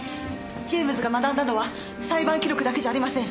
ジェームズが学んだのは裁判記録だけじゃありません。